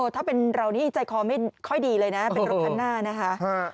ถ้าเป็นเรานี่ใจคอไม่ค่อยดีเลยนะเป็นรถคันหน้านะคะ